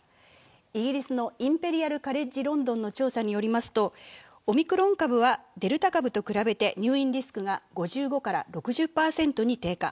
イギリスのインペリアル・カレッジ・ロンドンの調査によりますと、オミクロン株はデルタ株と比べて入院リスクが５５から６０％に低下